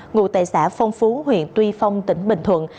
ngụ tại xã phong phú huyện tuy phong tỉnh bình thuận